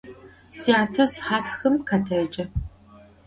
Syate sıhat xım khetecı.